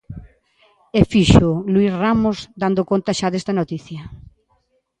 E fíxoo, Luís Ramos, dando conta xa desta noticia...